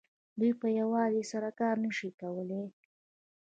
دوی په یوازې سر کار نه شي کولای